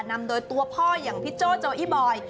นำโดยตัวพ่ออย่างพี่โจ้โจอี้บอย